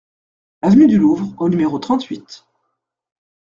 Avenue du Louvre au numéro trente-huit